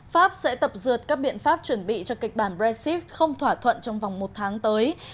pháp sẽ tập dượt các biện pháp chuẩn bị cho kịch bản brexit không thỏa thuận trong vòng một tháng tới